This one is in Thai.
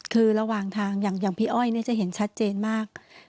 คือระหว่างทางอย่างพี่อ้อยจะเห็นชัดเจนมาก